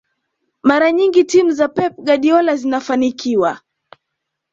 mara nyingi timu za pep guardiola zinafanikiwa